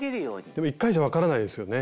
でも１回じゃ分からないですよね。